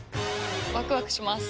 ワクワクします。